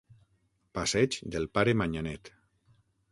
Passeig del Pare Manyanet.